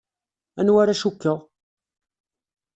Anwa ara cukkeɣ?